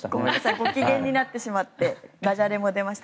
ご機嫌になってしまってダジャレも出ました。